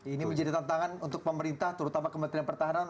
ini menjadi tantangan untuk pemerintah terutama kementerian pertahanan